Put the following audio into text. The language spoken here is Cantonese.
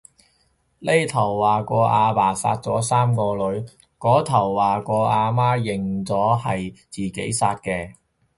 呢頭話個阿爸殺咗三個女，嗰頭話個阿媽認咗係自己殺嘅